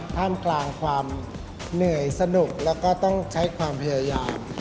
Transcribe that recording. ท่ามกลางความเหนื่อยสนุกแล้วก็ต้องใช้ความพยายาม